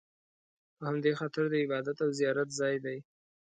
په همدې خاطر د عبادت او زیارت ځای دی.